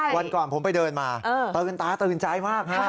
วันก่อนผมไปเดินมาตื่นตาตื่นใจมากฮะ